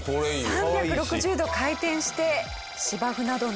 ３６０度回転して芝生などの水やりに最適。